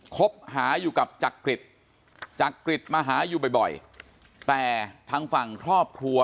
คบหาอยู่กับจักริตจักริตมาหาอยู่บ่อยแต่ทางฝั่งครอบครัว